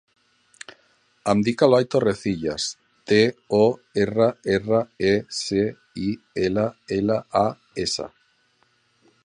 Em dic Eloy Torrecillas: te, o, erra, erra, e, ce, i, ela, ela, a, essa.